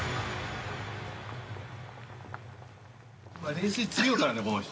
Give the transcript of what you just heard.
冷水強いからねこの人。